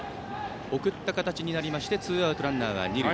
送った形になりましてツーアウトランナー、二塁。